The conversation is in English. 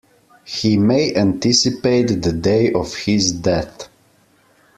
He may anticipate the day of his death.